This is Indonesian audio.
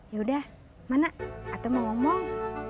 yaudah mana atau mau ngomong